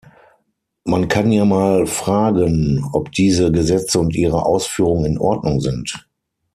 Man kann ja mal fragen, ob diese Gesetze und ihre Ausführung in Ordnung sind.